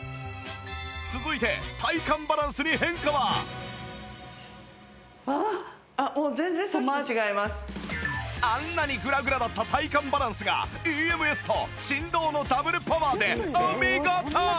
続いてあっもうあんなにグラグラだった体幹バランスが ＥＭＳ と振動のダブルパワーでお見事！